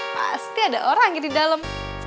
pasti ada orang di dalam